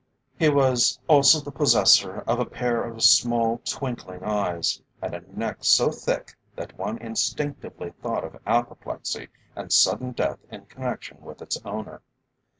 He was also the possessor of a pair of small twinkling eyes, and a neck so thick, that one instinctively thought of apoplexy and sudden death in connection with its owner.